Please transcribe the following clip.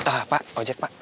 ah pak ojek pak